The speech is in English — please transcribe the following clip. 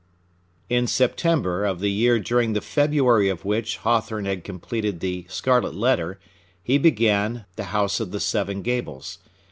In September of the year during the February of which Hawthorne had completed "The Scarlet Letter," he began "The House of the Seven Gables."